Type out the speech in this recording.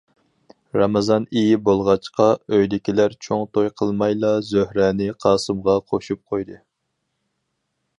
رامىزان ئېيى بولغاچقا، ئۆيدىكىلەر چوڭ توي قىلمايلا زۆھرەنى قاسىمغا قوشۇپ قويدى.